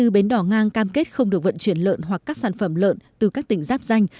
hai mươi bến đỏ ngang cam kết không được vận chuyển lợn hoặc các sản phẩm lợn từ các tỉnh giáp danh